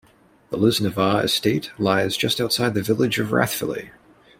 The Lisnavagh Estate lies just outside the village of Rathvilly.